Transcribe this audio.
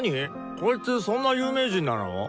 こいつそんな有名人なの？